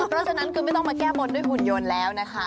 เพราะฉะนั้นคือไม่ต้องมาแก้บนด้วยหุ่นยนต์แล้วนะคะ